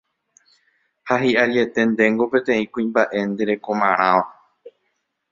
ha hi'ariete ndéngo peteĩ kuimba'e nderekomarãva